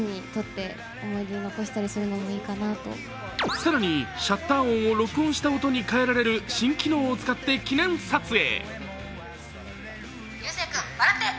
更にシャッター音を録音した音に変えられる新機能を使って記念撮影。